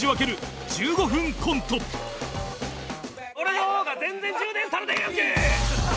俺の方が全然充電されてへんやんけ！